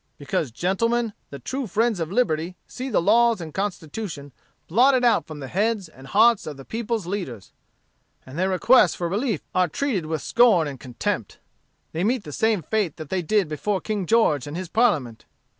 Because, gentlemen, the true friends of liberty see the laws and Constitution blotted out from the heads and hearts of the people's leaders: and their requests for relief are treated with scorn and contempt. They meet the same fate that they did before King George and his parliament.